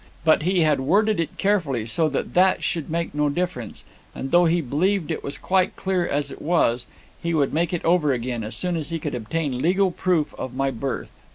But he worded it carefully, so that that should make no difference; and though he believed it was quite clear as it was, he would make it over again, as soon as he could obtain legal proof of my birth.